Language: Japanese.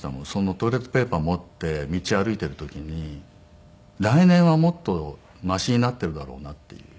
トイレットペーパー持って道歩いている時に来年はもっとマシになってるだろうなっていう。